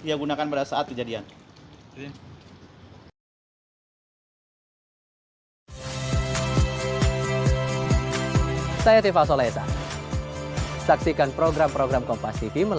dia gunakan pada saat kejadian ini saya tiva soleza saksikan program program kompas tv